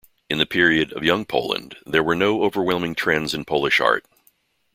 In the period of Young Poland there were no overwhelming trends in Polish art.